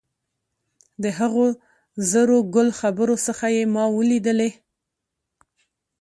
د هغو زرو ګل خبرو څخه چې ما ولیدلې.